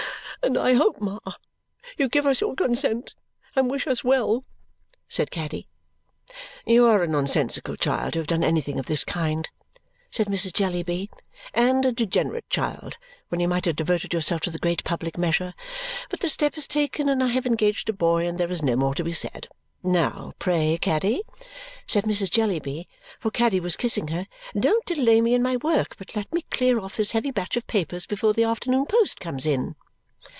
"And I hope, Ma, you give us your consent and wish us well?" said Caddy. "You are a nonsensical child to have done anything of this kind," said Mrs. Jellyby; "and a degenerate child, when you might have devoted yourself to the great public measure. But the step is taken, and I have engaged a boy, and there is no more to be said. Now, pray, Caddy," said Mrs. Jellyby, for Caddy was kissing her, "don't delay me in my work, but let me clear off this heavy batch of papers before the afternoon post comes in!"